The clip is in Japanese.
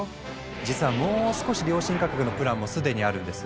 実はもう少し良心価格のプランも既にあるんです。